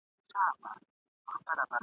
جنګ په زور کي روان وو.